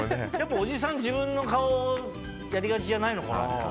おじさん、自分の顔やりがちじゃないのかな。